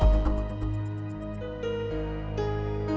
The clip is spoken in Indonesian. nanti bilangin minum obatnya sesuai dosis ya